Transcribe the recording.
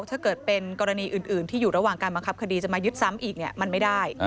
ถ้าเกิดเป็นกรณีอื่นที่อยู่ระหว่างการบังคับคดีจะมายึดซ้ำอีกมันไม่ได้